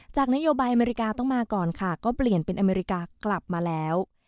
นโยบายอเมริกาต้องมาก่อนค่ะก็เปลี่ยนเป็นอเมริกากลับมาแล้ว